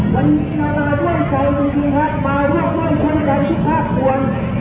วันนี้เราจะมาเล่นสบองดีครับมาเล่นสำคัญกับอีกห้าส่วน